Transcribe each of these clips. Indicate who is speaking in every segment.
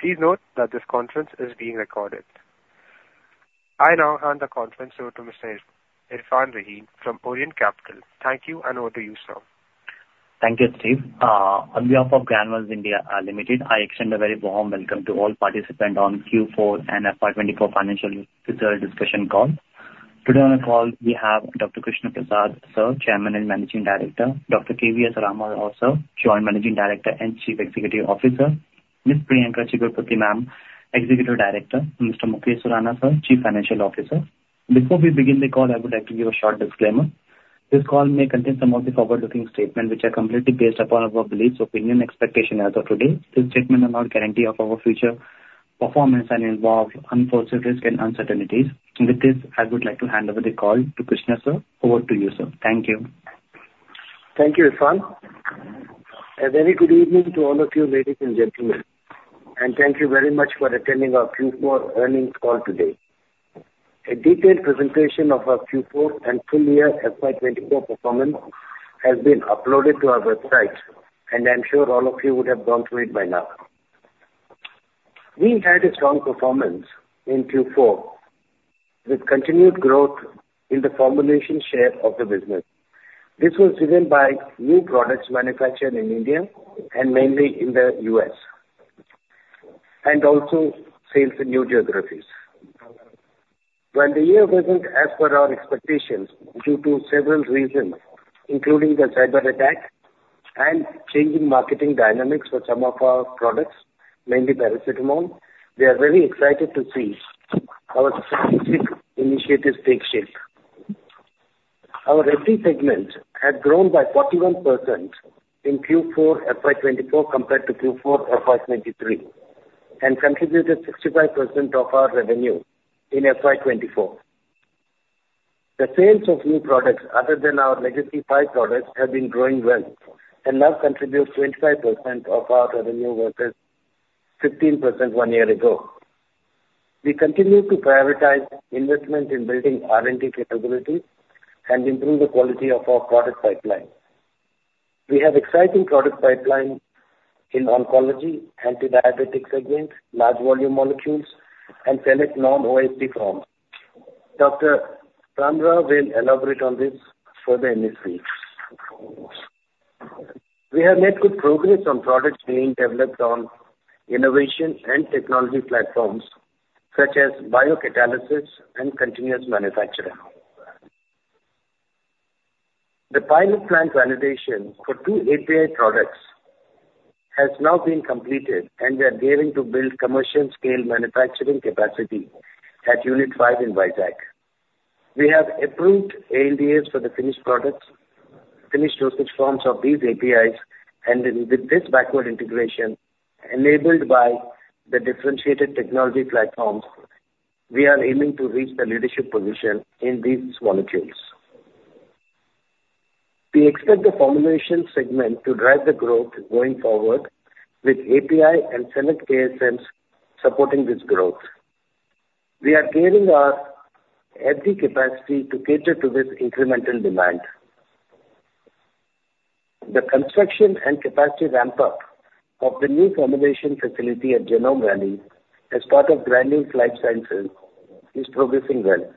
Speaker 1: Please note that this conference is being recorded. I now hand the conference over to Mr. Irfan Raeen from Orient Capital. Thank you, and over to you, sir.
Speaker 2: Thank you, Steve. On behalf of Granules India Ltd, I extend a very warm welcome to all participants on Q4 and FY 2024 financial results discussion call. Today on the call, we have Dr. Krishna Prasad, sir, Chairman and Managing Director; Dr. K.V.S. Ram Rao, sir, Joint Managing Director and Chief Executive Officer; Ms. Priyanka Chigurupati, ma'am, Executive Director; Mr. Mukesh Surana, sir, Chief Financial Officer. Before we begin the call, I would like to give a short disclaimer. This call may contain some of the forward-looking statements, which are completely based upon our beliefs, opinion, expectation as of today. These statements are not guarantee of our future performance and involve unforeseen risks and uncertainties. With this, I would like to hand over the call to Krishna, sir. Over to you, sir. Thank you.
Speaker 3: Thank you, Irfan. A very good evening to all of you, ladies and gentlemen, and thank you very much for attending our Q4 earnings call today. A detailed presentation of our Q4 and full year FY 2024 performance has been uploaded to our website, and I'm sure all of you would have gone through it by now. We had a strong performance in Q4, with continued growth in the formulation share of the business. This was driven by new products manufactured in India and mainly in the U.S., and also sales in new geographies. While the year wasn't as per our expectations due to several reasons, including the cyberattack and changing marketing dynamics for some of our products, mainly paracetamol, we are very excited to see our strategic initiatives take shape. Our API segment had grown by 41% in Q4 FY 2024 compared to Q4 FY 2023, and contributed 65% of our revenue in FY 2024. The sales of new products other than our legacy five products have been growing well and now contribute 25% of our revenue versus 15% one year ago. We continue to prioritize investment in building R&D capabilities and improve the quality of our product pipeline. We have exciting product pipeline in oncology, antidiabetic segment, large volume molecules, and select non-OSD forms. Dr. Ram Rao will elaborate on this further in his brief. We have made good progress on products being developed on innovation and technology platforms such as biocatalysis and continuous manufacturing. The pilot plant validation for two API products has now been completed, and we are gearing to build commercial-scale manufacturing capacity at Unit V in Vizag. We have approved ANDAs for the finished products, finished dosage forms of these APIs, and with this backward integration, enabled by the differentiated technology platforms, we are aiming to reach the leadership position in these molecules. We expect the formulation segment to drive the growth going forward, with API and select KSMs supporting this growth. We are scaling our API capacity to cater to this incremental demand. The construction and capacity ramp-up of the new formulation facility at Genome Valley, as part of Granules' Life Sciences, is progressing well.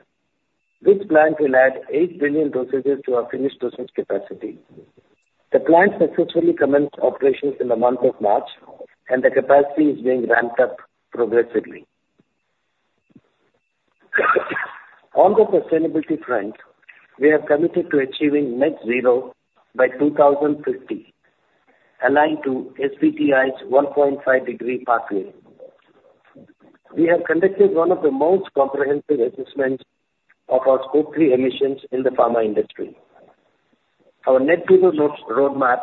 Speaker 3: This plant will add 8 billion dosages to our finished dosage capacity. The plant successfully commenced operations in the month of March, and the capacity is being ramped up progressively. On the sustainability front, we are committed to achieving net zero by 2050, aligned to SBTi's 1.5-degree pathway. We have conducted one of the most comprehensive assessments of our Scope 3 emissions in the pharma industry. Our net zero roadmap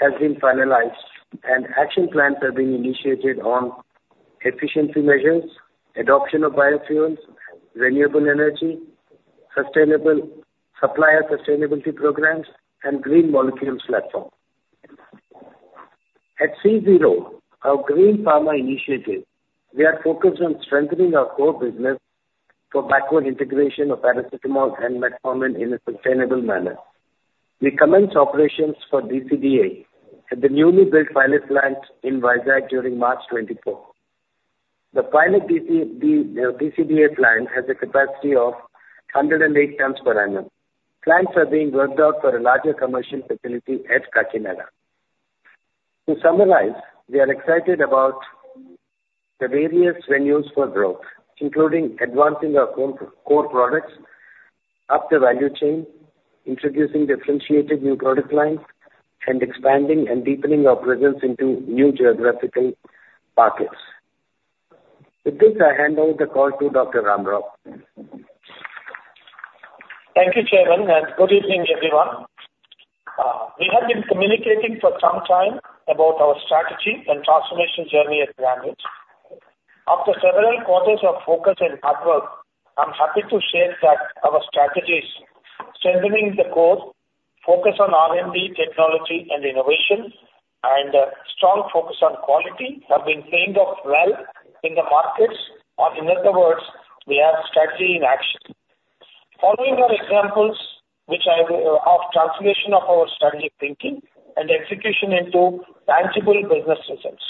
Speaker 3: has been finalized, and action plans are being initiated on efficiency measures, adoption of biofuels, renewable energy, sustainable supplier sustainability programs, and green molecules platform. At CZRO, our green pharma initiative, we are focused on strengthening our core business for backward integration of paracetamol and metformin in a sustainable manner. We commenced operations for DCDA at the newly built pilot plant in Vizag during March 2024. The pilot DCDA plant has a capacity of 108 tons per annum. Plans are being worked out for a larger commercial facility at Kakinada. To summarize, we are excited about the various avenues for growth, including advancing our core, core products up the value chain, introducing differentiated new product lines, and expanding and deepening our presence into new geographical pockets. With this, I hand over the call to Dr. Ram Rao.
Speaker 4: Thank you, Chairman, and good evening, everyone. We have been communicating for some time about our strategy and transformation journey at Granules. After several quarters of focus and hard work, I'm happy to share that our strategies, strengthening the core, focus on R&D, technology and innovation, and a strong focus on quality, have been paying off well in the markets, or in other words, we are strategy in action.... Following are examples which are of translation of our strategic thinking and execution into tangible business results.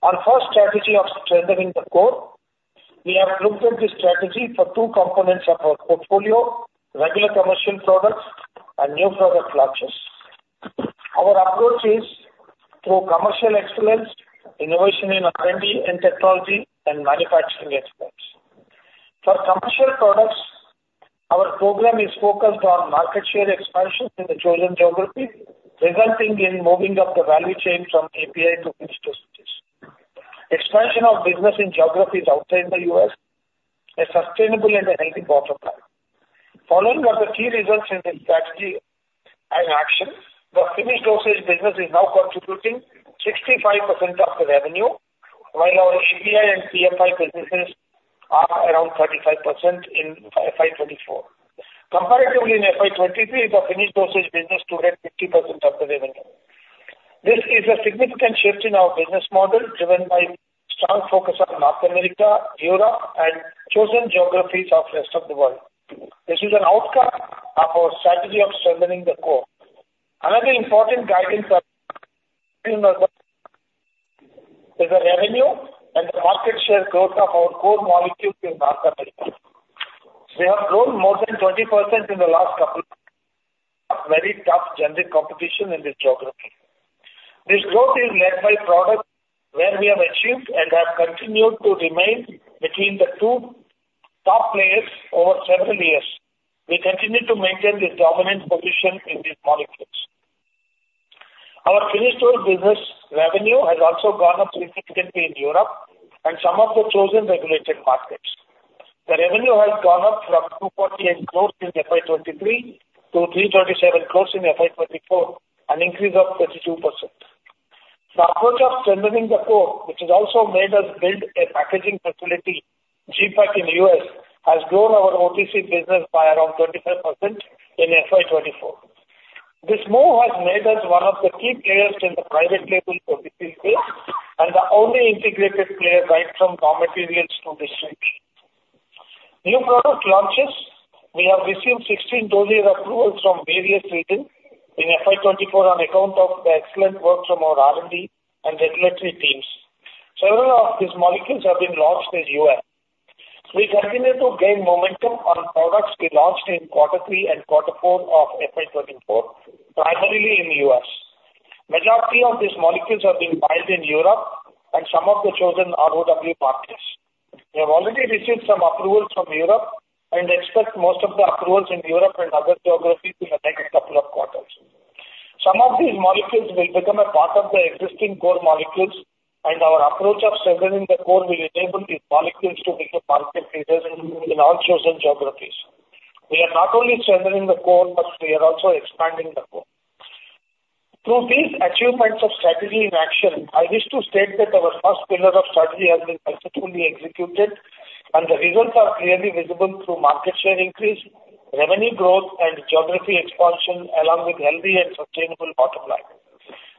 Speaker 4: Our first strategy of strengthening the core, we have looked at this strategy for two components of our portfolio: regular commercial products and new product launches. Our approach is through commercial excellence, innovation in R&D and technology, and manufacturing excellence. For commercial products, our program is focused on market share expansion in the chosen geography, resulting in moving up the value chain from API to finished dosage. Expansion of business in geographies outside the U.S., a sustainable and a healthy bottom line. Following are the key results in this strategy and action. The finished dosage business is now contributing 65% of the revenue, while our API and PFI businesses are around 35% in FY 2024. Comparatively, in FY 2023, the finished dosage business 25% of the revenue. This is a significant shift in our business model, driven by strong focus on North America, Europe, and chosen geographies of Rest of the World. This is an outcome of our strategy of strengthening the core. Another important guiding principle is the revenue and the market share growth of our core molecules in North America. We have grown more than 20% in the last couple very tough generic competition in this geography. This growth is led by product, where we have achieved and have continued to remain between the two top players over several years. We continue to maintain this dominant position in these molecules. Our finished dosage business revenue has also gone up significantly in Europe and some of the chosen regulated markets. The revenue has gone up from 248 crore in FY 2023 to 337 crore in FY 2024, an increase of 32%. The approach of strengthening the core, which has also made us build a packaging facility, GPIK in the U.S., has grown our OTC business by around 25% in FY 2024. This move has made us one of the key players in the private label OTC space and the only integrated player right from raw materials to distribution. New product launches. We have received 16 dossier approvals from various regions in FY 2024 on account of the excellent work from our R&D and regulatory teams. Several of these molecules have been launched in U.S. We continue to gain momentum on products we launched in quarter three and quarter four of FY 2024, primarily in U.S. Majority of these molecules are being filed in Europe and some of the chosen ROW markets. We have already received some approvals from Europe and expect most of the approvals in Europe and other geographies in the next couple of quarters. Some of these molecules will become a part of the existing core molecules, and our approach of strengthening the core will enable these molecules to become market leaders in all chosen geographies. We are not only strengthening the core, but we are also expanding the core. Through these achievements of strategy in action, I wish to state that our first pillar of strategy has been successfully executed, and the results are clearly visible through market share increase, revenue growth, and geography expansion, along with healthy and sustainable bottom line.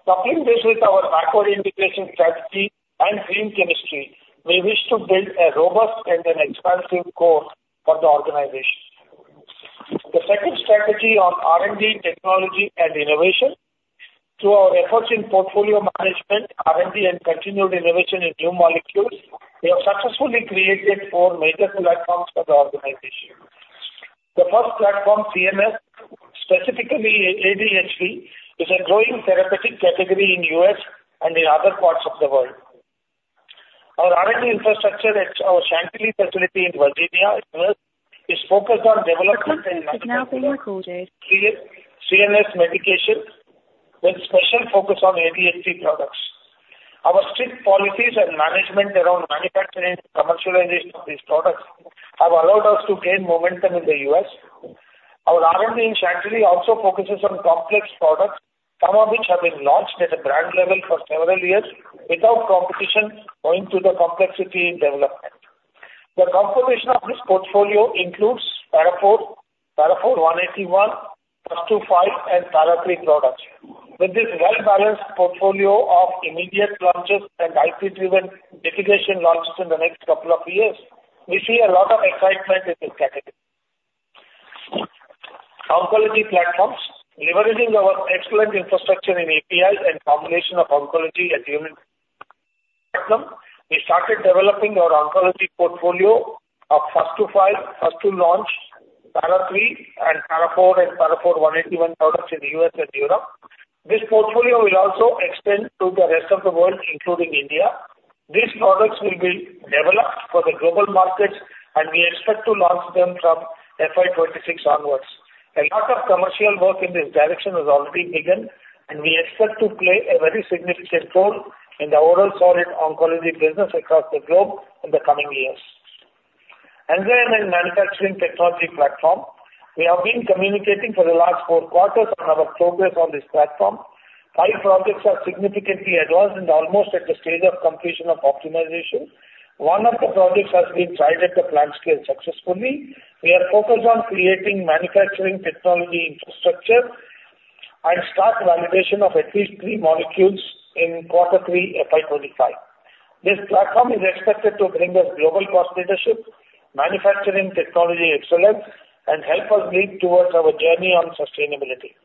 Speaker 4: Docking this with our backward integration strategy and green chemistry, we wish to build a robust and an expansive core for the organization. The second strategy on R&D, technology, and innovation. Through our efforts in portfolio management, R&D, and continued innovation in new molecules, we have successfully created four major platforms for the organization. The first platform, CNS, specifically ADHD, is a growing therapeutic category in U.S. and in other parts of the world. Our R&D infrastructure at our Chantilly facility in Virginia is focused on developing-
Speaker 1: The conference is now in record mode.
Speaker 4: CNS medication, with special focus on ADHD products. Our strict policies and management around manufacturing and commercialization of these products have allowed us to gain momentum in the U.S. Our R&D in Chantilly also focuses on complex products, some of which have been launched at a brand level for several years without competition, owing to the complexity in development. The confirmation of this portfolio includes Para IV, Para IV 180-day, +25, and Para III products. With this well-balanced portfolio of immediate launches and IP-driven designation launches in the next couple of years, we see a lot of excitement in this category. Oncology platforms. Leveraging our excellent infrastructure in APIs and combination of oncology and human platform, we started developing our oncology portfolio of first-to-file, first-to-launch, Para III and Para IV and Para IV 180-day products in the U.S. and Europe. This portfolio will also extend to the Rest of the World, including India. These products will be developed for the global markets, and we expect to launch them from FY 2026 onwards. A lot of commercial work in this direction has already begun, and we expect to play a very significant role in the overall solid oncology business across the globe in the coming years. Enzyme manufacturing technology platform. We have been communicating for the last four quarters on our progress on this platform. Five projects are significantly advanced and almost at the stage of completion of optimization. One of the projects has been tried at the plant scale successfully. We are focused on creating manufacturing technology infrastructure and start validation of at least three molecules in quarter three, FY 2025. This platform is expected to bring us global cost leadership, manufacturing technology excellence, and help us lead towards our journey on sustainability.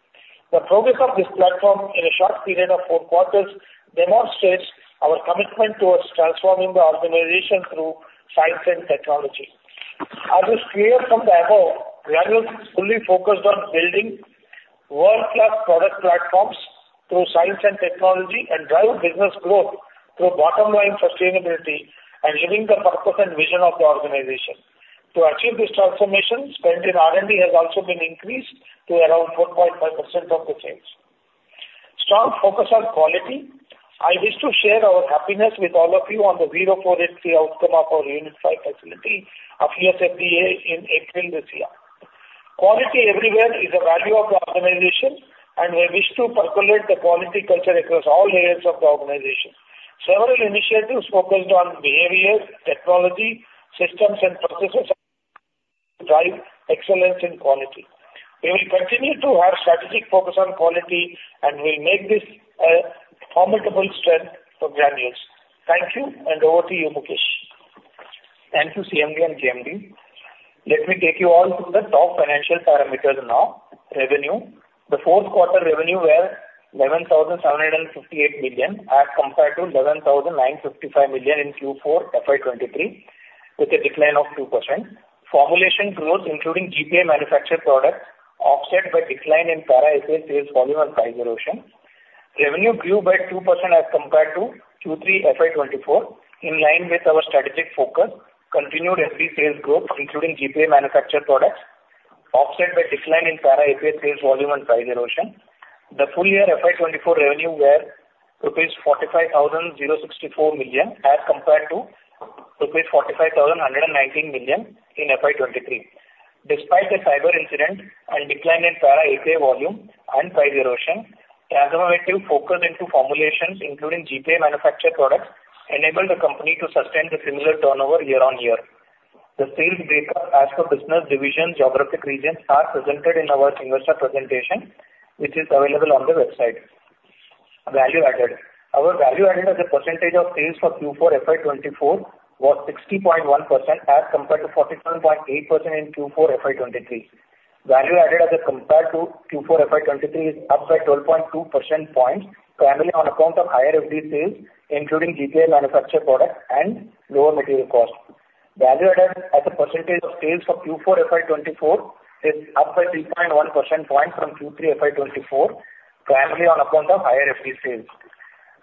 Speaker 4: The progress of this platform in a short period of four quarters demonstrates our commitment towards transforming the organization through science and technology. As is clear from the above, Granules is fully focused on building world-class product platforms through science and technology, and drive business growth through bottom line sustainability and living the purpose and vision of the organization. To achieve this transformation, spend in R&D has also been increased to around 4.5% of the sales. Strong focus on quality. I wish to share our happiness with all of you on the Zero 483 outcome of our Unit V facility of USFDA in April this year. Quality everywhere is a value of the organization, and we wish to percolate the quality culture across all layers of the organization. Several initiatives focused on behaviors, technology, systems, and processes drive excellence in quality. We will continue to have strategic focus on quality, and we make this formidable strength for Granules. Thank you, and over to you, Mukesh.
Speaker 5: Thank you, CMD and GMD. Let me take you all through the top financial parameters now. Revenue. The fourth quarter revenue were 11,758 million, as compared to 11,955 million in Q4 FY 2023, with a decline of 2%. Formulation growth, including GPI manufactured products, offset by decline in Para API sales volume and price erosion. Revenue grew by 2% as compared to Q3 FY 2024, in line with our strategic focus, continued FD sales growth, including GPI manufactured products, offset by decline in Para API sales volume and price erosion. The full year FY 2024 revenue were rupees 45,064 million, as compared to rupees 45,119 million in FY 2023. Despite a cyber incident and decline in paracetamol volume and price erosion, Granules focused into formulations, including GPI manufactured products, enabled the company to sustain the similar turnover year-on-year. The sales breakup as per business division, geographic regions are presented in our investor presentation, which is available on the website. Value added. Our value added as a percentage of sales for Q4 FY 2024 was 60.1% as compared to 47.8% in Q4 FY 2023. Value added as compared to Q4 FY 2023 is up by 12.2 percentage points, primarily on account of higher FD sales, including GPI manufactured products and lower material costs. Value added as a percentage of sales for Q4 FY 2024 is up by 3.1 percentage points from Q3 FY 2024, primarily on account of higher FD sales.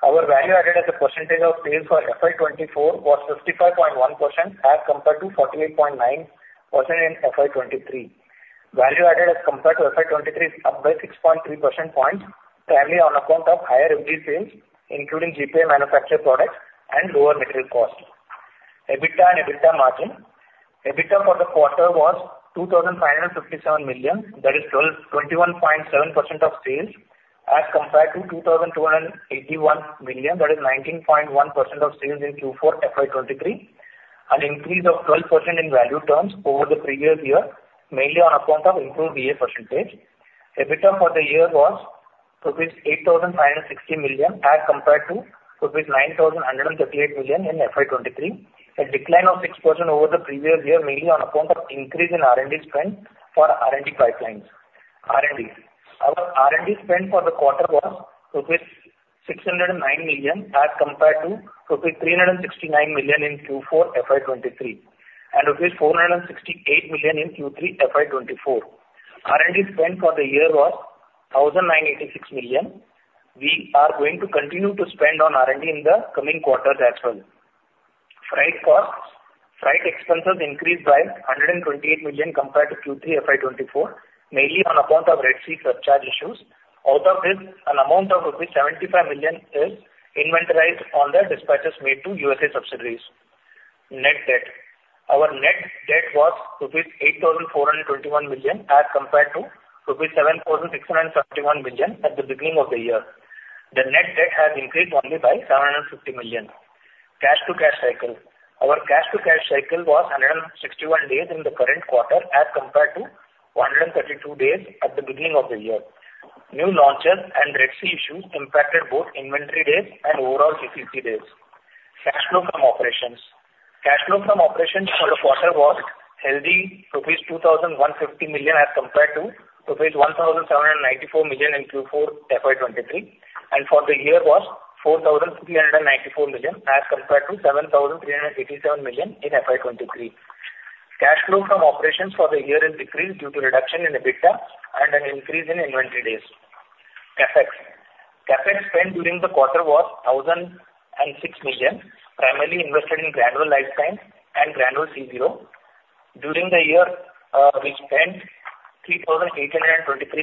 Speaker 5: Our value added as a percentage of sales for FY 2024 was 65.1%, as compared to 48.9% in FY 2023. Value added as compared to FY 2023 is up by 6.3 percentage points, primarily on account of higher FD sales, including GPI manufactured products and lower material costs. EBITDA and EBITDA margin. EBITDA for the quarter was 2,557 million, that is, 12, 21.7% of sales, as compared to 2,281 million, that is, 19.1% of sales in Q4 FY 2023, an increase of 12% in value terms over the previous year, mainly on account of improved VA percentage. EBITDA for the year was rupees 8,560 million as compared to rupees 9,138 million in FY 2023, a decline of 6% over the previous year, mainly on account of increase in R&D spend for R&D pipelines. R&D. Our R&D spend for the quarter was rupees 609 million, as compared to rupees 369 million in Q4 FY 2023, and rupees 468 million in Q3 FY 2024. R&D spend for the year was 1,986 million. We are going to continue to spend on R&D in the coming quarters as well. Freight costs. Freight expenses increased by 128 million compared to Q3 FY 2024, mainly on account of Red Sea surcharge issues. Out of this, an amount of rupees 75 million is inventorized on the dispatches made to USA subsidiaries. Net debt. Our net debt was rupees 8,421 million, as compared to rupees 7,631 million at the beginning of the year. The net debt has increased only by 750 million. Cash-to-cash cycle. Our cash-to-cash cycle was 161 days in the current quarter, as compared to 132 days at the beginning of the year. New launches and Red Sea issues impacted both inventory days and overall CTC days. Cash flow from operations. Cash flow from operations for the quarter was healthy, rupees 2,150 million as compared to rupees 1,794 million in Q4 FY 2023, and for the year was 4,394 million as compared to 7,387 million in FY 2023. Cash flow from operations for the year is decreased due to reduction in EBITDA and an increase in inventory days. CapEx. CapEx spend during the quarter was 1,006 million, primarily invested in Granules Life Sciences and Granules CZRO. During the year, we spent 3,823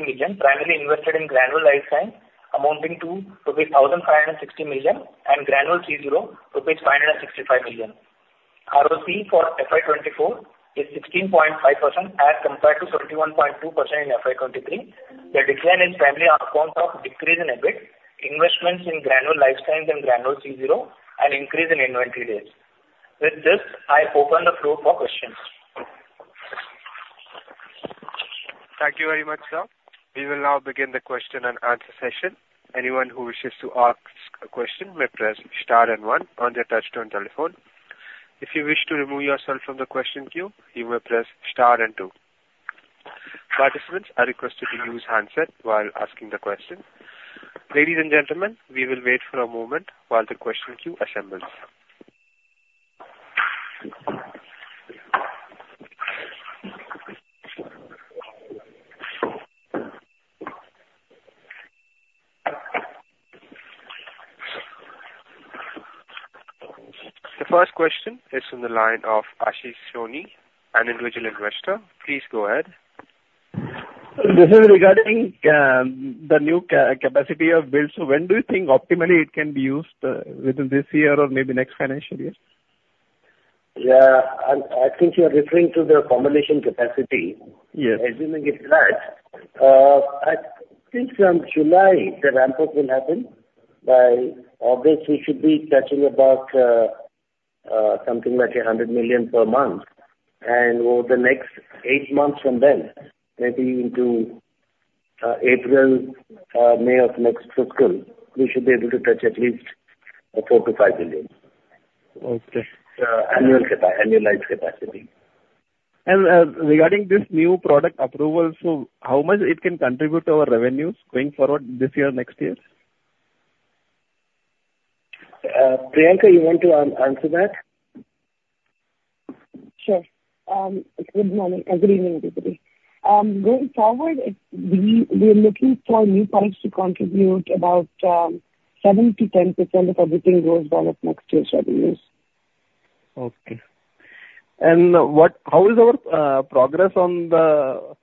Speaker 5: million, primarily invested in Granules Life Sciences, amounting to rupees 1,560 million, and Granules CZRO, 565 million. ROC for FY 2024 is 16.5% as compared to 31.2% in FY 2023. The decline is primarily on account of decrease in EBIT, investments in Granules Life Sciences and Granules CZRO, and increase in inventory days. With this, I open the floor for questions....
Speaker 1: Thank you very much, sir. We will now begin the question and answer session. Anyone who wishes to ask a question may press star and one on their touch-tone telephone. If you wish to remove yourself from the question queue, you may press star and two. Participants are requested to use handset while asking the question. Ladies and gentlemen, we will wait for a moment while the question queue assembles. The first question is from the line of Ashish Soni, an individual investor. Please go ahead.
Speaker 6: This is regarding the new capacity you have built. So when do you think optimally it can be used within this year or maybe next financial year?
Speaker 3: Yeah, I think you are referring to the combination capacity.
Speaker 6: Yes.
Speaker 3: Assuming it's that, I think from July, the ramp-up will happen. By August, we should be touching about, something like 100 million per month. And over the next eight months from then, maybe into, April or May of next fiscal, we should be able to touch at least, 4 billion-5 billion.
Speaker 6: Okay.
Speaker 3: Annualized capacity.
Speaker 6: Regarding this new product approval, so how much it can contribute to our revenues going forward this year, next year?
Speaker 3: Priyanka, you want to answer that?
Speaker 7: Sure. Good morning. Good evening, everybody. Going forward, we are looking for our new products to contribute about 7%-10% of everything gross development next year's revenues.
Speaker 6: Okay. And how is our progress on the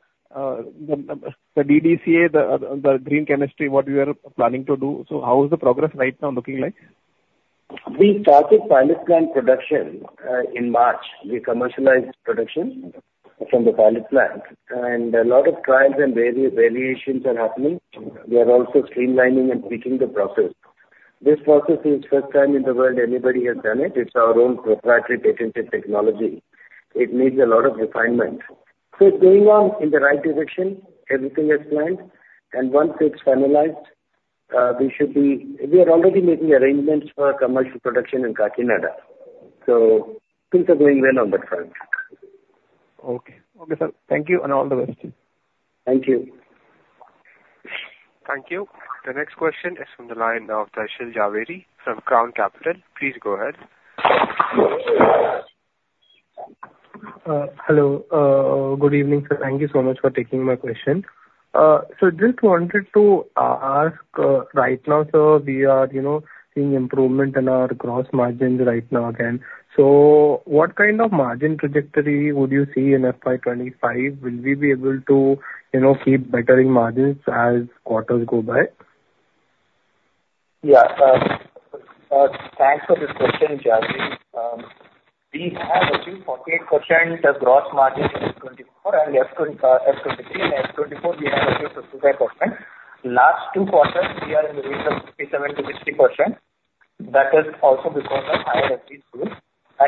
Speaker 6: DCDA, the green chemistry, what we are planning to do? So how is the progress right now looking like?
Speaker 3: We started pilot plant production in March. We commercialized production from the pilot plant, and a lot of trials and variations are happening. We are also streamlining and tweaking the process. This process is first time in the world anybody has done it. It's our own proprietary patented technology. It needs a lot of refinement. So it's going on in the right direction, everything as planned, and once it's finalized, we should be... We are already making arrangements for commercial production in Kakinada. So things are going well on that front.
Speaker 6: Okay. Okay, sir. Thank you, and all the best to you.
Speaker 3: Thank you.
Speaker 1: Thank you. The next question is from the line of Darshil Jhaveri from Crown Capital. Please go ahead.
Speaker 8: Hello. Good evening, sir. Thank you so much for taking my question. Just wanted to ask, right now, sir, we are, you know, seeing improvement in our gross margins right now again. What kind of margin trajectory would you see in FY 2025? Will we be able to, you know, keep bettering margins as quarters go by?
Speaker 5: Yeah. Thanks for this question, Jhaveri. We have achieved 48% of gross margin in FY 2024 and FY 2023. In FY 2024, we have achieved 55%. Last two quarters, we are in the range of 57%-60%. That is also because of higher FD bills.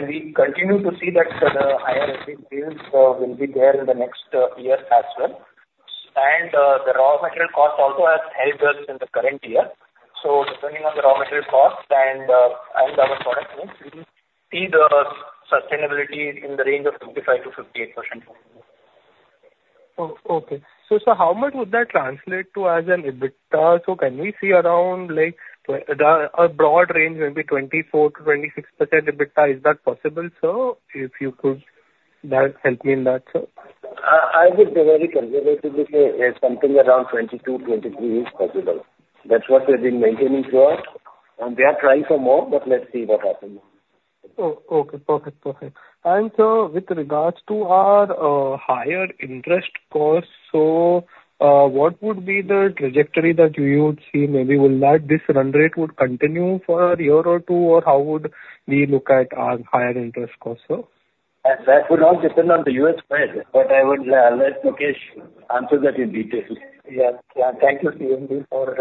Speaker 5: We continue to see that the higher FD bills will be there in the next year as well. The raw material cost also has helped us in the current year. So depending on the raw material cost and our product mix, we see the sustainability in the range of 55%-58%.
Speaker 8: Okay. So, sir, how much would that translate to as an EBITDA? So can we see around, like, a broad range, maybe 24%-26% EBITDA, is that possible, sir? If you could help me in that, sir.
Speaker 3: I would be very conservative and say, yes, something around 22-23 is possible. That's what we've been maintaining so far, and we are trying for more, but let's see what happens.
Speaker 8: Okay, perfect. Perfect. And sir, with regards to our higher interest costs, so what would be the trajectory that you would see? Maybe will that this run rate would continue for a year or two, or how would we look at our higher interest costs, sir?
Speaker 3: That would all depend on the U.S. Fed, but I would let Mukesh answer that in detail.
Speaker 5: Yeah. Yeah, thank you, sir, for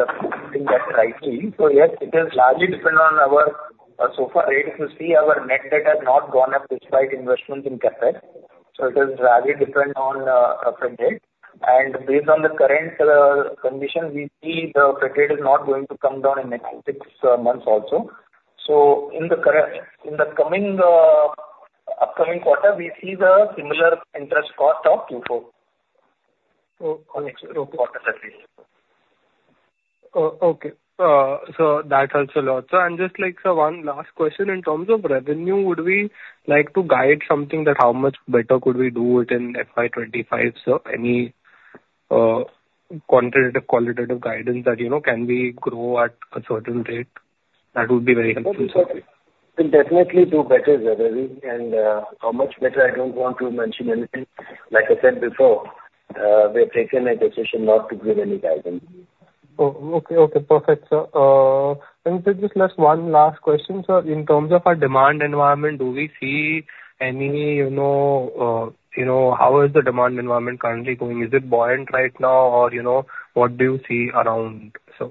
Speaker 5: saying that rightly. So yes, it is largely depend on our SOFR rates. You see our net debt has not gone up despite investments in CapEx, so it is largely depend on Fed rate. And based on the current conditions, we see the Fed rate is not going to come down in the next six months also. So in the current, in the coming upcoming quarter, we see the similar interest cost of Q4. So on next quarter at least.
Speaker 8: Okay. So that helps a lot. So and just like, sir, one last question. In terms of revenue, would we like to guide something that how much better could we do it in FY 2025, sir? Any quantitative, qualitative guidance that, you know, can we grow at a certain rate? That would be very helpful, sir.
Speaker 3: We'll definitely do better, Jhaveri. How much better? I don't want to mention anything. Like I said before, we have taken a decision not to give any guidance.
Speaker 8: Okay. Okay, perfect, sir. And sir, just last, one last question, sir. In terms of our demand environment, do we see any, you know, you know, how is the demand environment currently going? Is it buoyant right now, or you know, what do you see around, sir?...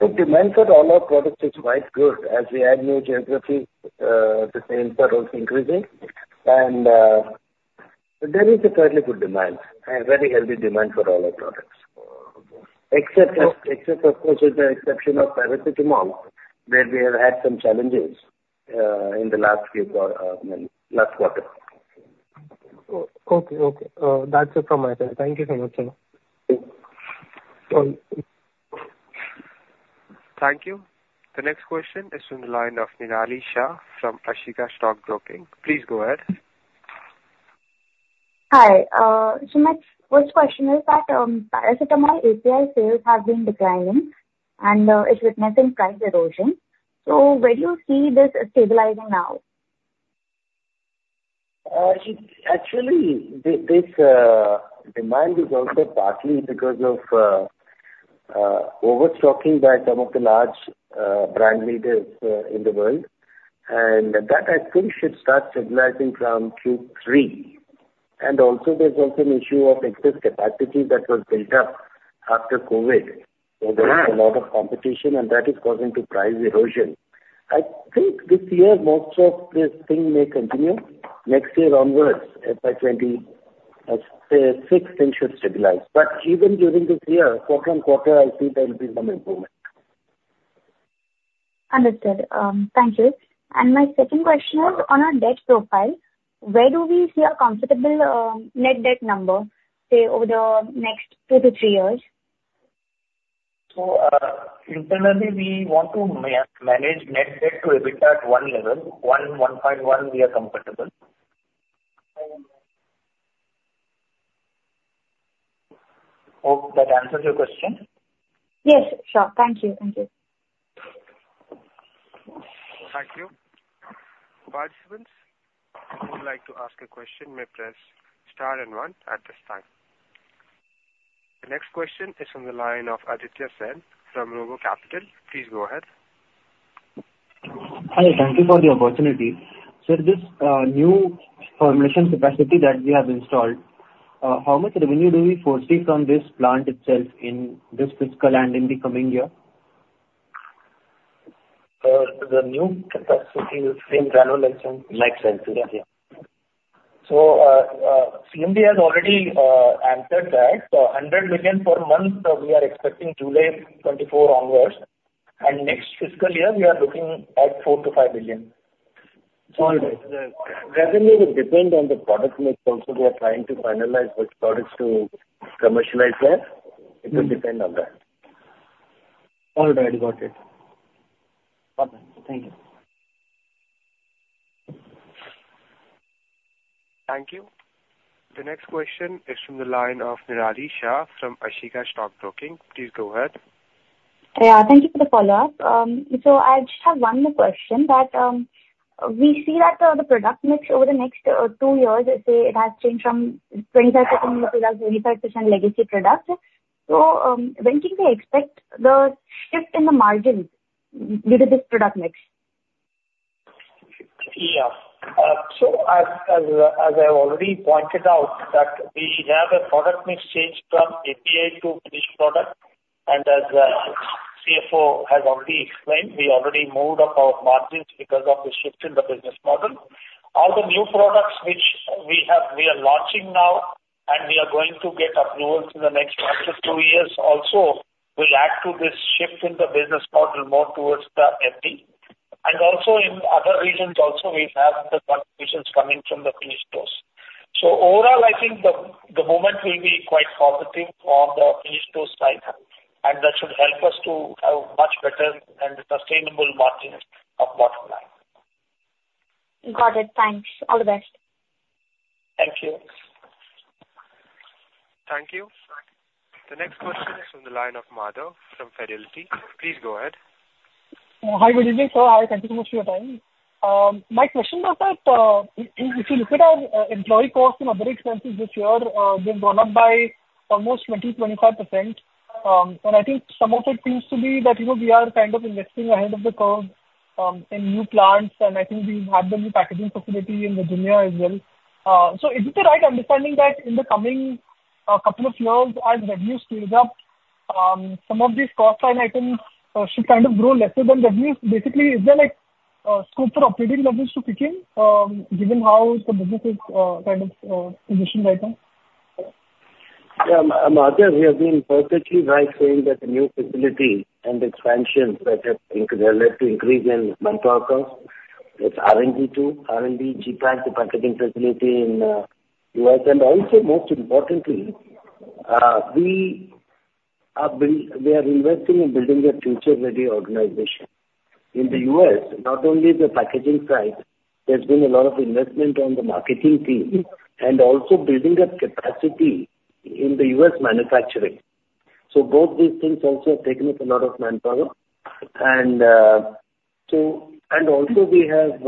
Speaker 3: The demand for all our products is quite good. As we add new geographies, the sales are also increasing, and, there is a fairly good demand and very healthy demand for all our products. Except, of course, with the exception of paracetamol, where we have had some challenges in the last quarter.
Speaker 8: Okay, okay. That's it from my side. Thank you so much, sir.
Speaker 3: Thank you.
Speaker 1: Thank you. The next question is from the line of Nirali Shah from Ashika Stock Broking. Please go ahead.
Speaker 9: Hi, so my first question is that, paracetamol API sales have been declining, and, it's witnessing price erosion. So when do you see this stabilizing out?
Speaker 3: Actually, this demand is also partly because of overstocking by some of the large brand leaders in the world, and that I think should start stabilizing from Q3. Also there's also an issue of excess capacity that was built up after COVID, where there is a lot of competition, and that is causing the price erosion. I think this year, most of this thing may continue. Next year onwards, by 2026, things should stabilize, but even during this year, quarter-on-quarter, I see there will be some improvement.
Speaker 9: Understood. Thank you. My second question is on our debt profile. Where do we see a comfortable net debt number, say, over the next two to three years?
Speaker 3: Internally, we want to manage net debt to EBITDA at 1.1, we are comfortable. Hope that answers your question?
Speaker 9: Yes, sure. Thank you, thank you.
Speaker 1: Thank you. Participants, if you'd like to ask a question, may press star and one at this time. The next question is from the line of Aditya Sen from Robo Capital. Please go ahead.
Speaker 10: Hi. Thank you for the opportunity. Sir, this new formulation capacity that we have installed, how much revenue do we foresee from this plant itself in this fiscal and in the coming year?
Speaker 5: The new capacity, you mean granulation?
Speaker 3: Mukesh said, yeah.
Speaker 5: CMD has already answered that. 100 million per month, we are expecting July 2024 onwards, and next fiscal year, we are looking at 4 billion-5 billion.
Speaker 10: All right.
Speaker 3: The revenue will depend on the product mix. Also, we are trying to finalize which products to commercialize there. It will depend on that.
Speaker 10: All right, got it. Okay. Thank you.
Speaker 1: Thank you. The next question is from the line of Nirali Shah from Ashika Stock Broking. Please go ahead.
Speaker 9: Yeah, thank you for the follow-up. So I just have one more question, that we see that the product mix over the next two years, it has changed from 25% to 35% legacy products. So, when can we expect the shift in the margins due to this product mix?
Speaker 4: Yeah. So as I have already pointed out, that we have a product mix change from API to finished product, and as CFO has already explained, we already moved up our margins because of the shift in the business model. All the new products which we are launching now, and we are going to get approvals in the next one to two years also, will add to this shift in the business model more towards the FD. And also, in other regions also, we have the contributions coming from the finished goods. So overall, I think the momentum will be quite positive on the finished goods side, and that should help us to have much better and sustainable margins of bottom line.
Speaker 9: Got it. Thanks. All the best.
Speaker 3: Thank you.
Speaker 1: Thank you. The next question is from the line of Madhav Marda from Fidelity. Please go ahead.
Speaker 11: Hi, good evening, sir. I thank you so much for your time. My question was that, if you look at our, employee costs and other expenses this year, they've gone up by almost 20%-25%. And I think some of it seems to be that, you know, we are kind of investing ahead of the curve, in new plants, and I think we have the new packaging facility in Virginia as well. So is it the right understanding that in the coming, couple of years, as revenues scale up, some of these cost line items, should kind of grow lesser than revenues? Basically, is there, like, scope for operating leverage to kick in, given how the business is, kind of, positioned right now?
Speaker 3: Yeah, Madhav, you have been perfectly right saying that the new facility and expansions that have... They have led to increase in manpower costs. It's R&D, too. R&D, GPIK, the packaging facility in the U.S., and also, most importantly, we are investing in building a future-ready organization. In the U.S., not only the packaging side, there's been a lot of investment on the marketing team, and also building a capacity in the U.S. manufacturing. So both these things also have taken up a lot of manpower, and so. And also, we have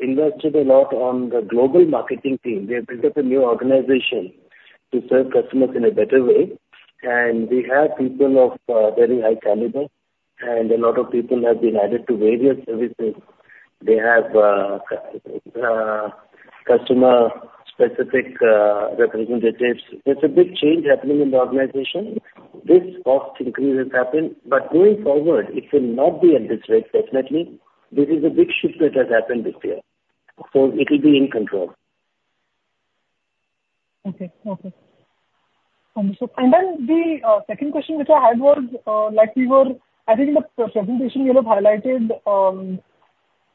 Speaker 3: invested a lot on the global marketing team. We have built up a new organization to serve customers in a better way, and we have people of very high caliber, and a lot of people have been added to various services. They have customer specific representatives. There's a big change happening in the organization. This cost increase has happened, but going forward, it will not be at this rate, definitely. This is a big shift that has happened this year, so it will be in control.
Speaker 11: Okay. Okay. So and then the second question which I had was, I think in the presentation, you have highlighted,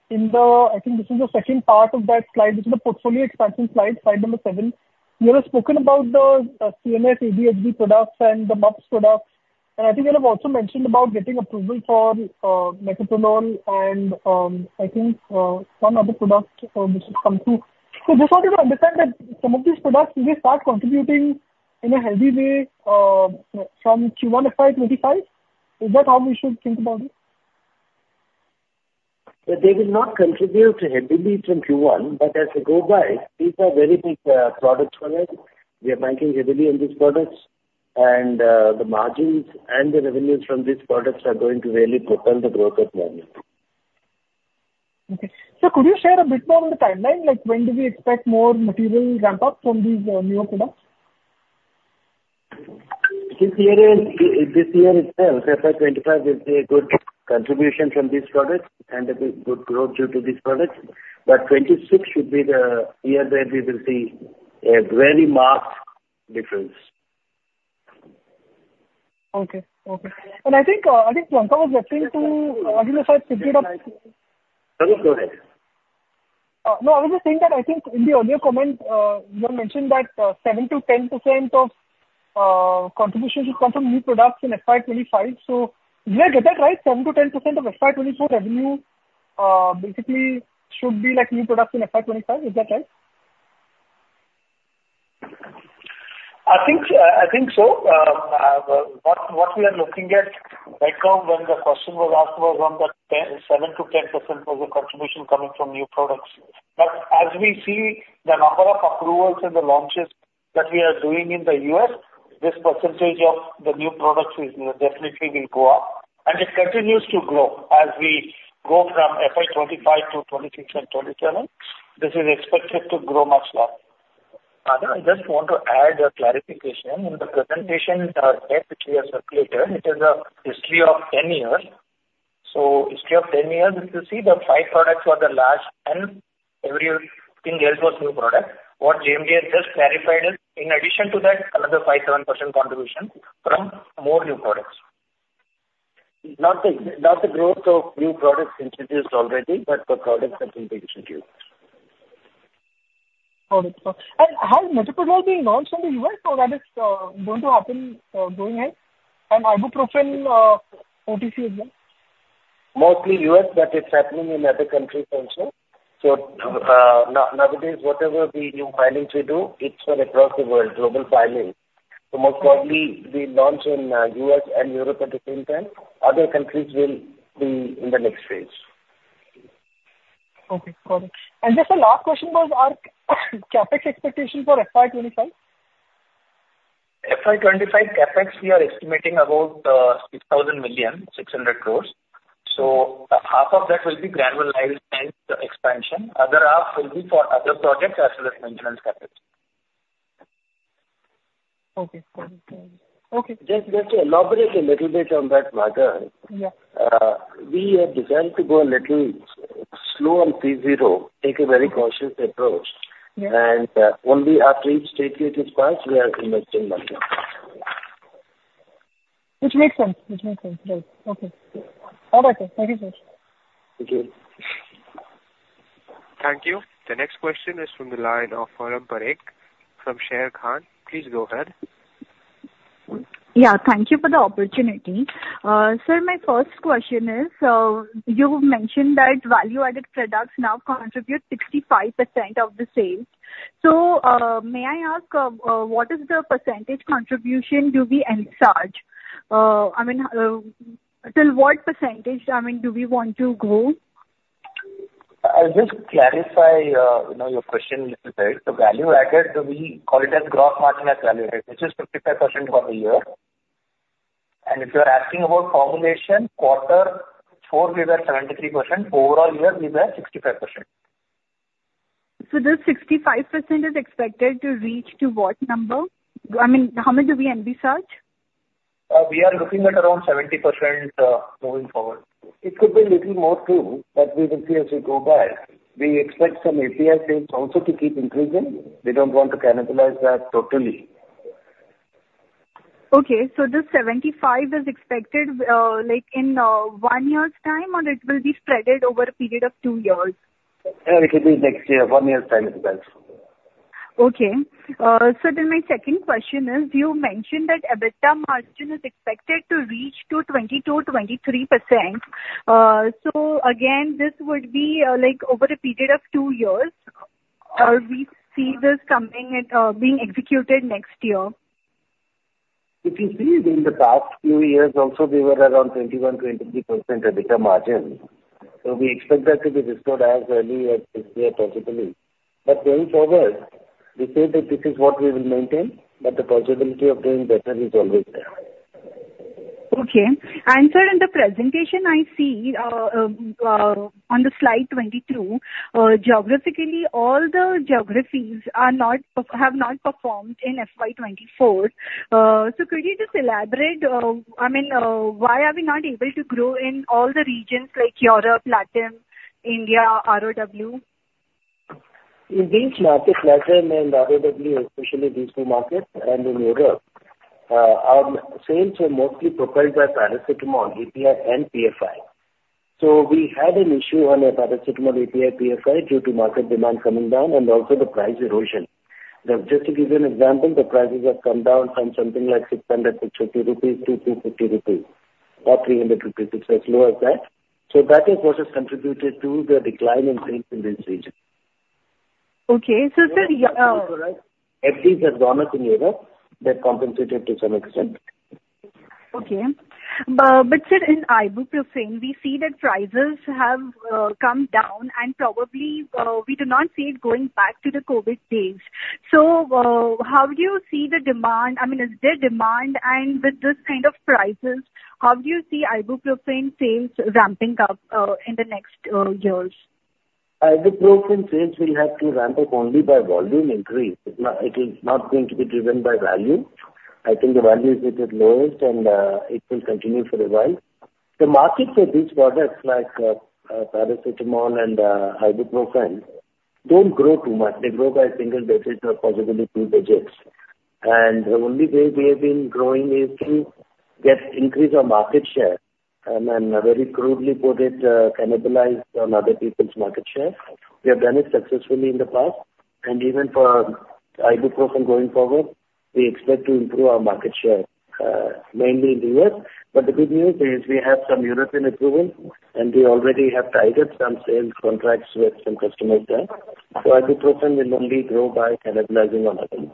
Speaker 11: in the... I think this is the second part of that slide, which is the portfolio expansion slide, slide number seven You have spoken about the CNS, ADHD products and the MUPS products, and I think you have also mentioned about getting approval for metoprolol and, I think, one other product, which has come through. So just wanted to understand that some of these products, will they start contributing in a heavy way, from Q1 FY 2025? Is that how we should think about it?
Speaker 3: They will not contribute heavily from Q1, but as we go by, these are very big products for us. We are banking heavily on these products, and the margins and the revenues from these products are going to really propel the growth of Granules.
Speaker 11: Okay. So could you share a bit more on the timeline, like when do we expect more material ramp-up from these newer products?
Speaker 3: This year and this year itself, FY 2025, is a good contribution from these products and a good, good growth due to these products. But 2026 should be the year where we will see a very marked difference.
Speaker 11: Okay, okay. I think, I think Priyanka was referring to.
Speaker 3: No, go ahead.
Speaker 11: No, I was just saying that, I think in the earlier comment, you had mentioned that, 7%-10% of contributions will come from new products in FY 2025. So did I get that right? 7%-10% of FY 2024 revenue, basically should be like new products in FY 2025. Is that right?
Speaker 4: I think, I think so. What we are looking at right now, when the question was asked, was on the 7%-10% of the contribution coming from new products. But as we see the number of approvals and the launches that we are doing in the U.S., this percentage of the new products is definitely will go up. And it continues to grow as we go from FY 2025 to 2026 and 2027, this is expected to grow much more.
Speaker 5: Madhev, I just want to add a clarification. In the presentation deck which we have circulated, it is a history of 10 years. So history of 10 years, if you see that five products were the large and everything else was new product. What JMG has just clarified is, in addition to that, another 5%-7% contribution from more new products.
Speaker 3: Not the growth of new products introduced already, but the products that will be introduced.
Speaker 11: Got it. And has metoprolol being launched in the U.S. or that is, going to happen, going ahead? And ibuprofen, OTC as well.
Speaker 4: Mostly U.S., but it's happening in other countries also. So, nowadays, whatever the new filings we do, it's for across the world, global filings. So most probably we launch in, U.S. and Europe at the same time. Other countries will be in the next phase.
Speaker 11: Okay, got it. And just a last question was, our CapEx expectation for FY 2025?
Speaker 4: FY 2025 CapEx, we are estimating about 6,000 million, 600 crores. Half of that will be Granules R&D and expansion. Other half will be for other projects as well as maintenance CapEx.
Speaker 11: Okay, got it. Okay.
Speaker 3: Just to elaborate a little bit on that matter-
Speaker 11: Yeah.
Speaker 3: We have decided to go a little slow on P0, take a very cautious approach.
Speaker 11: Yeah.
Speaker 3: Only after each stage gate is passed, we are investing money.
Speaker 11: Which makes sense. Which makes sense. Right. Okay. All right, then. Thank you so much.
Speaker 3: Thank you.
Speaker 1: Thank you. The next question is from the line of Foram Parekh from Sharekhan. Please go ahead.
Speaker 12: Yeah, thank you for the opportunity. Sir, my first question is, you mentioned that value-added products now contribute 65% of the sales. So, may I ask, what is the percentage contribution do we envisage? I mean, till what percentage, I mean, do we want to grow?
Speaker 5: I'll just clarify, you know, your question a little bit. So value added, we call it as gross margin as value added, which is 55% for the year. And if you're asking about formulation, quarter four, we were 73%; overall year, we were 65%.
Speaker 12: This 65% is expected to reach to what number? I mean, how much do we envisage?
Speaker 5: We are looking at around 70%, moving forward.
Speaker 3: It could be little more too, but we will see as we go by. We expect some API sales also to keep increasing. We don't want to cannibalize that totally.
Speaker 12: Okay, so this 75 is expected, like in one year's time, or it will be spread over a period of two years?
Speaker 5: It will be next year, one year's time at best.
Speaker 12: Okay. So then my second question is: you mentioned that EBITDA margin is expected to reach to 22%-23%. So again, this would be, like, over a period of two years, or we see this coming at, being executed next year?
Speaker 3: If you see, in the past few years also, we were around 21%-23% EBITDA margin, so we expect that to be restored as early as this year, possibly. But going forward, we say that this is what we will maintain, but the possibility of doing better is always there....
Speaker 12: Okay. And sir, in the presentation I see, on the Slide 22, geographically, all the geographies have not performed in FY 2024. So could you just elaborate, I mean, why are we not able to grow in all the regions like Europe, Latin, India, ROW?
Speaker 3: In these markets, Latin and ROW, especially these two markets, and in Europe, our sales are mostly propelled by paracetamol, API and PFI. So we had an issue on a paracetamol API, PFI, due to market demand coming down and also the price erosion. Now, just to give you an example, the prices have come down from something like 660 rupees to 250 rupees or 300 rupees. It's as low as that. So that is what has contributed to the decline in sales in this region.
Speaker 12: Okay. Sir, yeah,
Speaker 3: At least as gone up in Europe, that compensated to some extent.
Speaker 12: Okay. But sir, in ibuprofen, we see that prices have come down, and probably, we do not see it going back to the COVID days. So, how do you see the demand? I mean, is there demand, and with this kind of prices, how do you see Ibuprofen sales ramping up in the next years?
Speaker 3: Ibuprofen sales will have to ramp up only by volume increase. It's not, it is not going to be driven by value. I think the value is at its lowest, and it will continue for a while. The market for these products, like paracetamol and ibuprofen, don't grow too much. They grow by single digits or possibly two digits. And the only way we have been growing is to get increase our market share, and then very crudely put it, cannibalized on other people's market share. We have done it successfully in the past, and even for ibuprofen going forward, we expect to improve our market share, mainly in the U.S. But the good news is we have some European approval, and we already have titled some sales contracts with some customers there. So ibuprofen will only grow by cannibalizing on others.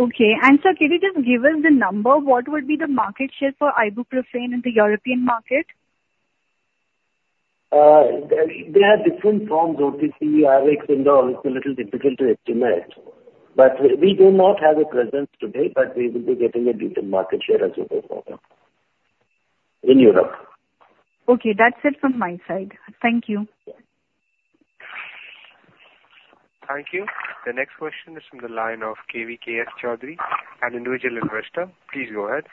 Speaker 12: Okay. Sir, can you just give us the number? What would be the market share for Ibuprofen in the European market?
Speaker 3: They have different forms, OTC, RX, and all. It's a little difficult to estimate. But we do not have a presence today, but we will be getting a good market share as we go forward in Europe.
Speaker 12: Okay, that's it from my side. Thank you.
Speaker 1: Thank you. The next question is from the line of K.V.K.S. Chaudhary, an individual investor. Please go ahead.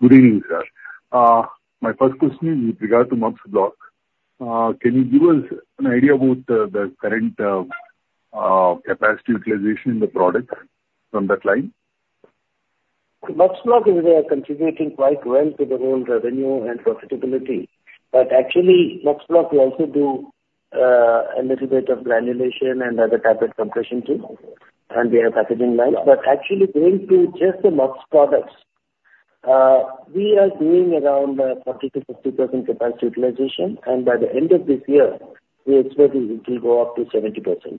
Speaker 13: Good evening, sir. My first question is with regard to MUPS Block. Can you give us an idea about the current capacity utilization in the product from that line?
Speaker 3: MUPS Block is contributing quite well to the whole revenue and profitability. But actually, MUPS Block, we also do a little bit of granulation and other tablet compression too, and we have packaging lines. But actually, going to just the MUPS products, we are doing around 40%-50% capacity utilization, and by the end of this year, we expect it will go up to 70%.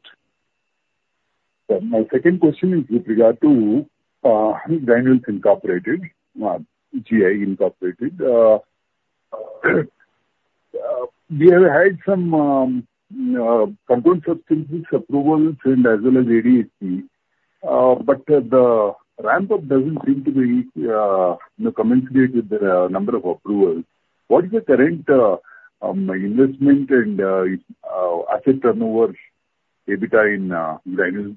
Speaker 13: My second question is with regard to Granules Pharmaceuticals, Inc, GPI. We have had some controlled substances approvals and as well as ADHD, but the ramp-up doesn't seem to be, you know, commensurate with the number of approvals. What is the current investment and asset turnover, EBITDA in GPI?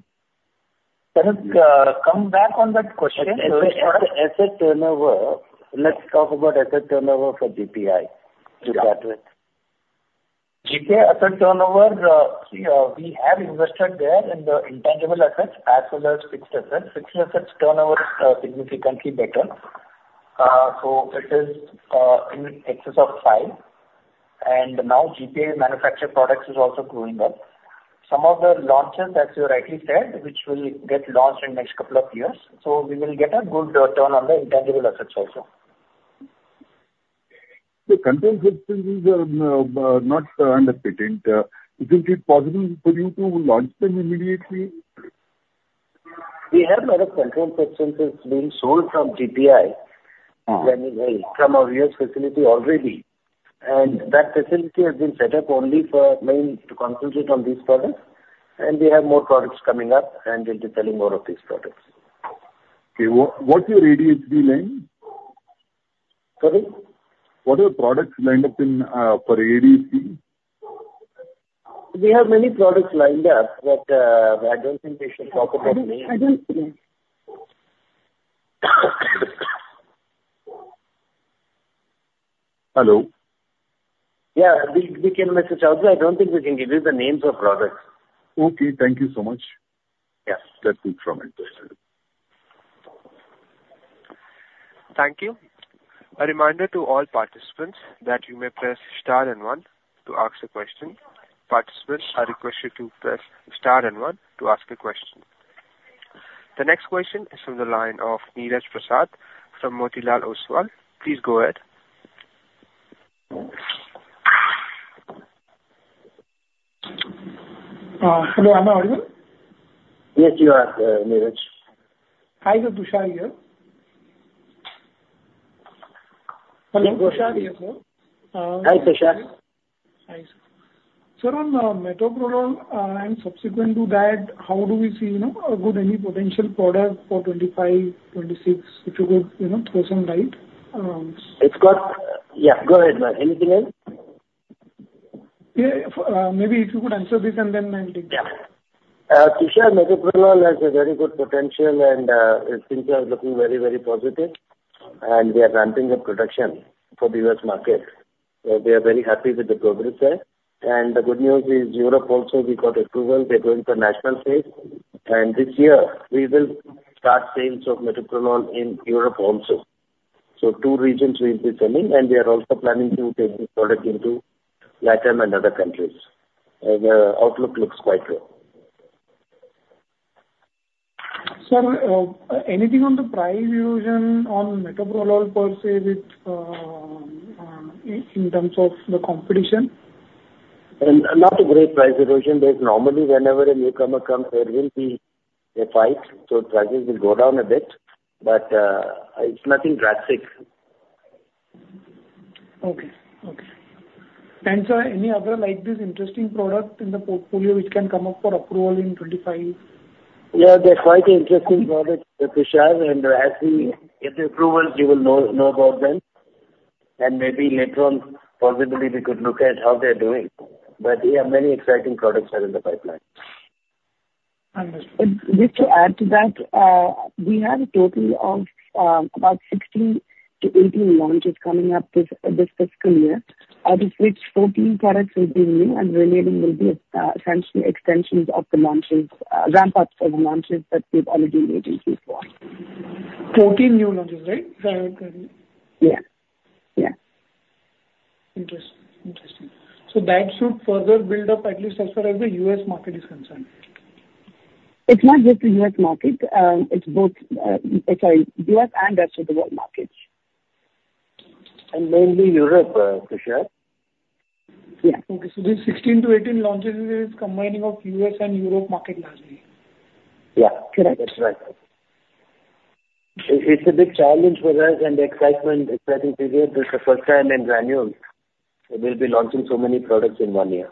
Speaker 5: Can I come back on that question?
Speaker 3: Asset, asset turnover. Let's talk about asset turnover for GPI to start with.
Speaker 5: GP asset turnover, we, we have invested there in the intangible assets as well as fixed assets. Fixed assets turnover is significantly better. So it is in excess of five, and now GPI manufactured products is also growing well. Some of the launches, as you rightly said, which will get launched in the next couple of years, so we will get a good return on the intangible assets also.
Speaker 13: The controlled substance is not under patent. Is it possible for you to launch them immediately?
Speaker 3: We have other controlled substances being sold from GPI-
Speaker 13: Uh.
Speaker 3: from our U.S. facility already. And that facility has been set up only for mainly to concentrate on these products, and we have more products coming up, and we'll be telling more of these products.
Speaker 13: Okay. What, what's your ADHD line?
Speaker 3: Sorry?
Speaker 13: What are your products lined up in for ADHD?
Speaker 3: We have many products lined up, but, I don't think we should talk about names.
Speaker 7: I don't...
Speaker 13: Hello?
Speaker 3: Yeah, we can, Mr. Chaudhary. I don't think we can give you the names of products.
Speaker 13: Okay, thank you so much.
Speaker 3: Yeah.
Speaker 13: That's it from my side.
Speaker 1: Thank you. A reminder to all participants that you may press star and one to ask a question. Participants are requested to press star and one to ask a question. The next question is from the line of Niraj Prasad from Motilal Oswal. Please go ahead.
Speaker 14: Hello, am I audible?
Speaker 3: Yes, you are, Niraj.
Speaker 14: Hi, good to see you.... Hello, Tushar here, sir.
Speaker 3: Hi, Tushar.
Speaker 14: Hi, sir. Sir, on metoprolol and subsequent to that, how do we see, you know, with any potential product for 2025, 2026, if you could, you know, throw some light?
Speaker 3: Yeah, go ahead, man. Anything else?
Speaker 14: Yeah, maybe if you could answer this, and then I'll take that.
Speaker 3: Yeah. Tushar, metoprolol has a very good potential and its things are looking very, very positive, and we are ramping up production for the U.S. market. So we are very happy with the progress there. And the good news is Europe also, we got approval. We are going for national stage, and this year we will start sales of metoprolol in Europe also. So two regions we'll be selling, and we are also planning to take the product into LATAM and other countries. And outlook looks quite good.
Speaker 14: Sir, anything on the price erosion on metoprolol per se with, in terms of the competition?
Speaker 3: Not a great price erosion. There's normally, whenever a newcomer comes, there will be a fight, so prices will go down a bit, but it's nothing drastic.
Speaker 14: Okay. Okay. And sir, any other like this interesting product in the portfolio which can come up for approval in 2025?
Speaker 3: Yeah, there's quite an interesting product, Tushar, and as we get the approvals, you will know about them. And maybe later on, possibly we could look at how they're doing. But yeah, many exciting products are in the pipeline.
Speaker 14: Understood.
Speaker 7: Just to add to that, we have a total of about 16-18 launches coming up this fiscal year, out of which 14 products will be new and remaining will be extensions of the launches, ramp-ups of the launches that we've already made before.
Speaker 14: 14 new launches, right, in...?
Speaker 7: Yeah. Yeah.
Speaker 14: Interesting. Interesting. So that should further build up, at least as far as the U.S. market is concerned.
Speaker 7: It's not just the U.S. market, it's both, sorry, U.S. and Rest of the World markets.
Speaker 3: And mainly Europe, Tushar.
Speaker 4: Yeah.
Speaker 14: Okay, so these 16-18 launches is combining of U.S. and Europe market largely?
Speaker 3: Yeah.
Speaker 4: Correct.
Speaker 3: That's right. It's a big challenge for us and excitement, exciting period. It's the first time in Granules that we'll be launching so many products in one year.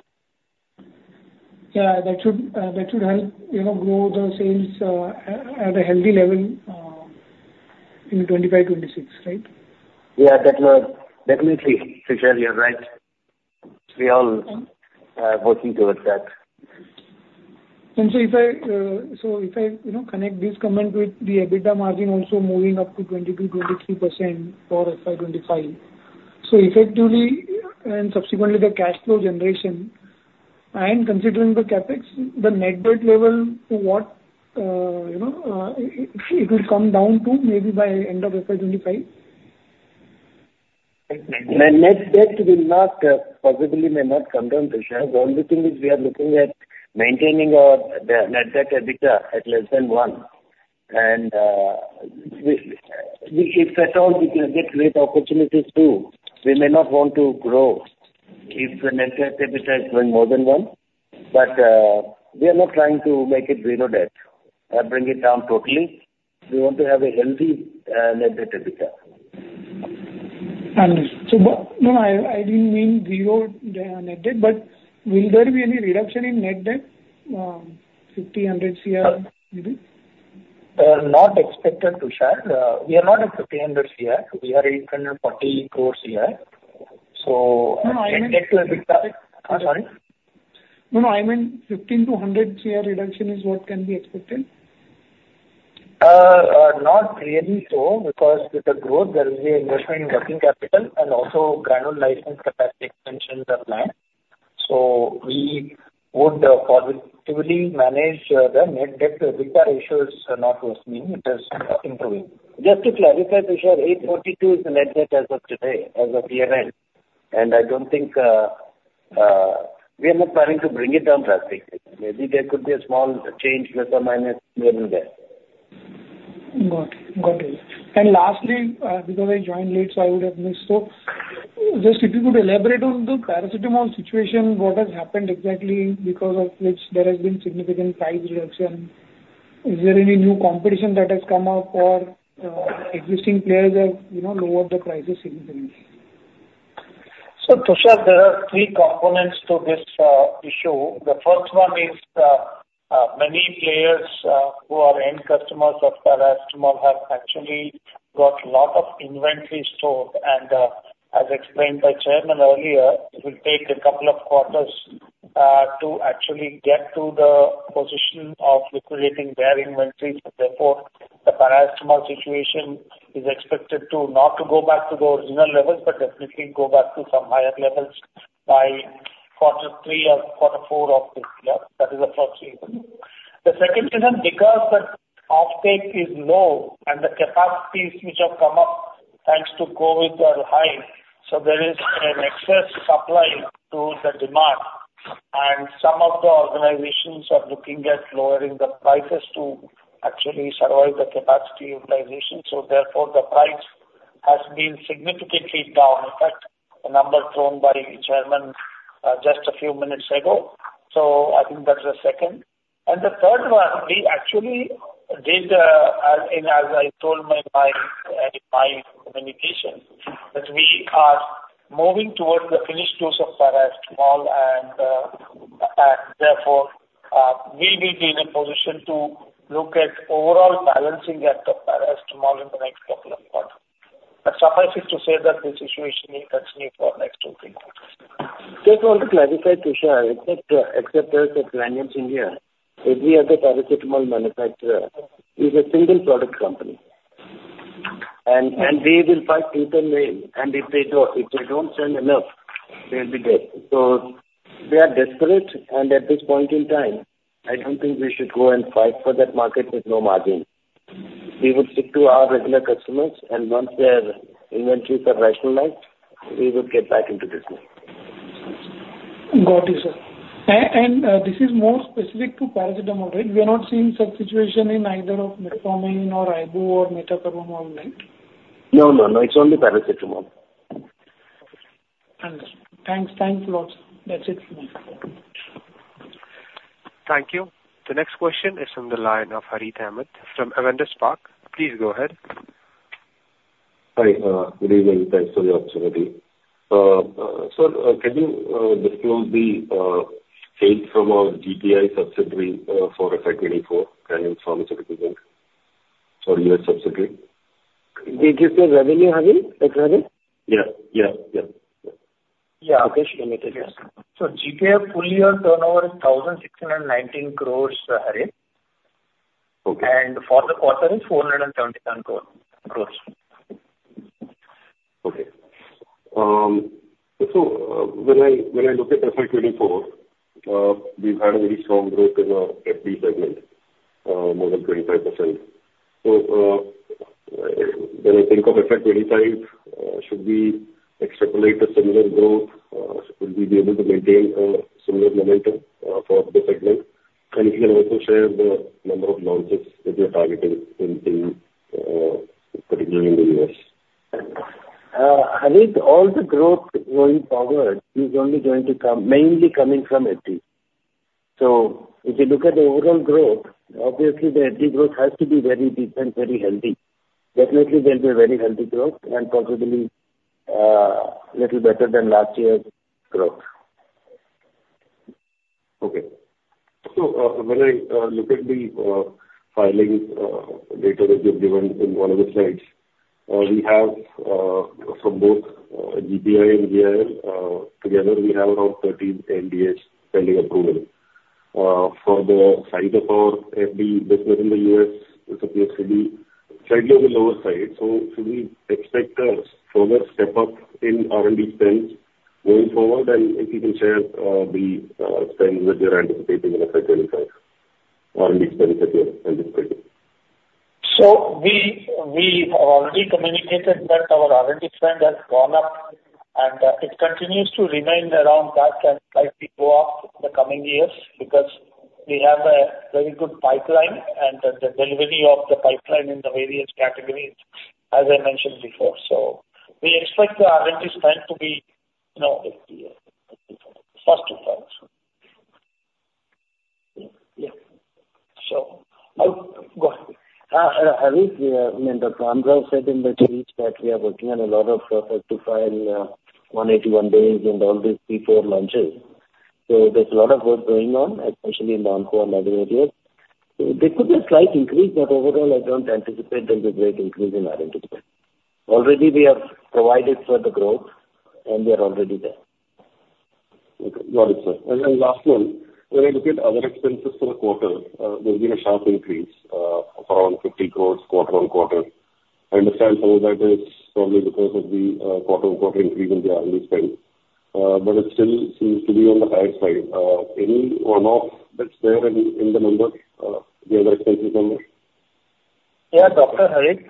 Speaker 14: Yeah, that should help, you know, grow the sales at a healthy level in 2025, 2026, right?
Speaker 3: Yeah, that will... Definitely, Tushar, you're right. We all working towards that.
Speaker 14: And so if I, you know, connect this comment with the EBITDA margin also moving up to 22%-23% for FY 2025, so effectively, and subsequently the cash flow generation, and considering the CapEx, the net debt level to what, you know, it will come down to maybe by end of FY 2025?
Speaker 3: The net debt will not, possibly may not come down, Tushar. The only thing is we are looking at maintaining our the net debt EBITDA at less than one. And, we, if at all we can get great opportunities too, we may not want to grow if the net debt EBITDA is going more than one. But, we are not trying to make it zero debt or bring it down totally. We want to have a healthy, net debt EBITDA.
Speaker 14: Understood. No, I didn't mean 0 net debt, but will there be any reduction in net debt, 50 crore-100 crore maybe?
Speaker 5: Not expected, Tushar. We are not at 1,500 crore. We are 840 crore. So
Speaker 14: No, I mean-
Speaker 3: Sorry?
Speaker 14: No, no, I meant 50 crore-100 crore reduction is what can be expected.
Speaker 5: Not really so, because with the growth, there will be investment in working capital and also Granules licensed capacity expansions are planned. So we would positively manage the net debt. EBITDA ratios are not worsening. It is improving.
Speaker 3: Just to clarify, Tushar, 842 is the net debt as of today, as of PNL, and I don't think we are not planning to bring it down drastically. Maybe there could be a small change, plus or minus, here and there.
Speaker 14: Got it. Got it. And lastly, because I joined late, so I would have missed. So just if you could elaborate on the paracetamol situation, what has happened exactly, because of which there has been significant price reduction. Is there any new competition that has come up or, existing players have, you know, lowered the prices significantly?
Speaker 4: So, Tushar, there are three components to this issue. The first one is many players who are end customers of paracetamol have actually got lot of inventory stored. As explained by chairman earlier, it will take a couple of quarters to actually get to the position of liquidating their inventory. So therefore, the paracetamol situation is expected to not to go back to the original levels, but definitely go back to some higher levels by quarter three or quarter four of this year. That is the first reason. The second reason, because the offtake is low and the capacities which have come up, thanks to COVID, are high, so there is an excess supply to the demand, and some of the organizations are looking at lowering the prices to actually survive the capacity utilization. So therefore, the price has been significantly down. In fact, the number thrown by the chairman just a few minutes ago. So I think that's the second. And the third one, we actually did, and as I told my communication, that we are moving towards the finished dose of paracetamol and therefore we will be in a position to look at overall balancing act of paracetamol in the next couple of quarter. But suffice it to say that this situation will continue for next two, three quarters.
Speaker 3: Just want to clarify, Tushar, except us at Granules India, every other paracetamol manufacturer is a single product company. And they will fight tooth and nail, and if they don't sell enough, they'll be dead. So they are desperate, and at this point in time, I don't think we should go and fight for that market with no margin. We will stick to our regular customers, and once their inventories are rationalized, we will get back into business.
Speaker 14: Got you, sir. And this is more specific to paracetamol, right? We are not seeing such situation in either of metformin or ibu or metoprolol, right?
Speaker 3: No, no, no. It's only paracetamol.
Speaker 14: Understood. Thanks. Thanks a lot, sir. That's it for me.
Speaker 1: Thank you. The next question is from the line of Harith Ahamed from Avendus Spark. Please go ahead.
Speaker 15: Hi, good evening. Thanks for the opportunity. Sir, can you disclose the sales from our GPI subsidiary for FY 2024 and Pharmaceuticals, Inc. or U.S. subsidiary?
Speaker 3: Did you say revenue, Harith, exactly?
Speaker 15: Yeah. Yeah, yeah.
Speaker 3: Yeah.
Speaker 4: Okay, she can take it.
Speaker 5: GPI full year turnover is INR 1,619 crores, Harith.
Speaker 15: Okay.
Speaker 3: For the quarter, it's INR 477 crore.
Speaker 15: Okay. So, when I, when I look at FY 2024, we've had a very strong growth in the FD segment, more than 25%. So, when I think of FY 2025, should we extrapolate a similar growth? Should we be able to maintain a similar momentum, for the segment? And if you can also share the number of launches that you're targeting in the, particularly in the US.
Speaker 3: I think all the growth going forward is only going to come, mainly coming from FD. So if you look at the overall growth, obviously the FD growth has to be very deep and very healthy. Definitely there will be a very healthy growth and possibly, little better than last year's growth.
Speaker 15: Okay. So, when I look at the filings data that you've given in one of the slides, we have from both GPI and GIL together we have around 13 NDAs pending approval. For the size of our FD business in the U.S., it appears to be slightly on the lower side, so should we expect a further step up in R&D spend going forward? And if you can share the spend that you're anticipating in FY 2025, R&D spend that you're anticipating.
Speaker 4: So we have already communicated that our R&D spend has gone up, and it continues to remain around that and likely go up in the coming years because we have a very good pipeline and the delivery of the pipeline in the various categories, as I mentioned before. So we expect the R&D spend to be, you know, 50, 54 first two products.
Speaker 3: Yeah.
Speaker 4: So I'll go ahead.
Speaker 3: Harith, I mean, Dr. Ram Rao said in the speech that we are working on a lot of 180-day filings and all these Paragraph IV launches. So there's a lot of work going on, especially in the onco and other areas. So there could be a slight increase, but overall, I don't anticipate there'll be a great increase in R&D. Already we have provided for the growth, and we are already there.
Speaker 15: Okay. Got it, sir. And then last one, when I look at other expenses for the quarter, there's been a sharp increase, around 50 crore, quarter-on-quarter. I understand some of that is probably because of the, quarter-on-quarter increase in the R&D spend, but it still seems to be on the higher side. Any one-off that's there in the numbers, the other expenses numbers?
Speaker 4: Yeah, Dr. Harith,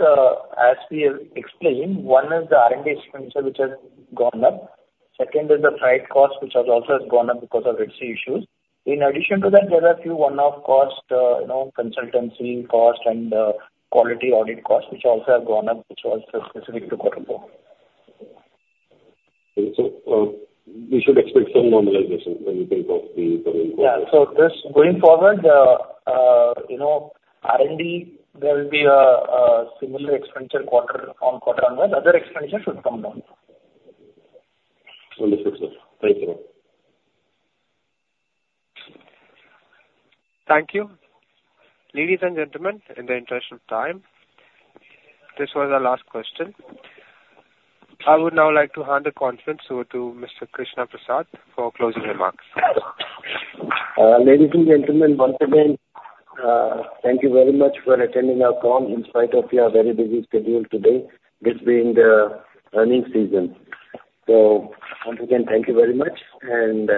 Speaker 4: as we have explained, one is the R&D expenses, which has gone up. Second is the freight cost, which has also gone up because of Red Sea issues. In addition to that, there are a few one-off costs, you know, consultancy costs and quality audit costs, which also have gone up, which was specific to quarter four.
Speaker 15: Okay. So, we should expect some normalization when we think of the coming quarter.
Speaker 4: Yeah. So this going forward, you know, R&D, there will be a similar expenditure quarter on quarter, on the other expenditure should come down.
Speaker 15: Understood, sir. Thank you.
Speaker 1: Thank you. Ladies and gentlemen, in the interest of time, this was our last question. I would now like to hand the conference over to Mr. Krishna Prasad for closing remarks.
Speaker 3: Ladies and gentlemen, once again, thank you very much for attending our call in spite of your very busy schedule today, this being the earnings season. So once again, thank you very much, and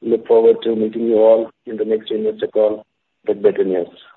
Speaker 3: look forward to meeting you all in the next investor call with better news.